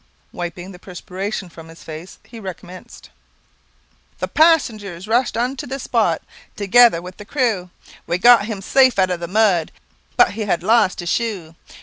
Wiping the perspiration from his face, he recommenced "The passengers rushed unto the spot, Together with the crew; We got him safe out of the mud, But he had lost his shoe.